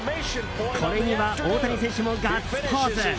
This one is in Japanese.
これには大谷選手もガッツポーズ。